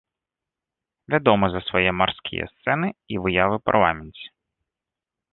Вядомы за свае марскія сцэны і выявы парламенце.